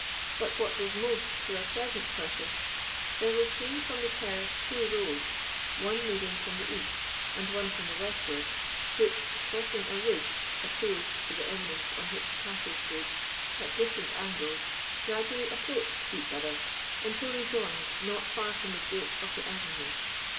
But what was most to our present purpose, there were seen from the terrace two roads, one leading from the east, and one from the westward, which, crossing a ridge opposed to the eminence on which the castle stood, at different angles, gradually approached each other, until they joined not far from the gate of the avenue.